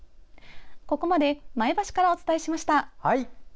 ここまで前橋からお伝えしました。